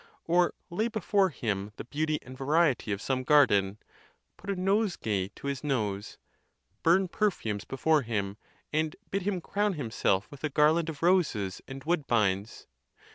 or lay before him the beauty and variety of some garden, put a nosegay to his nose, burn perfumes before him, and bid him crown himself with a garland of roses and wood bines?